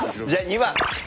２番！